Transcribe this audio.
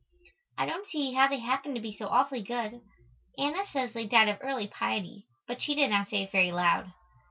I don't see how they happened to be so awfully good. Anna says they died of "early piety," but she did not say it very loud.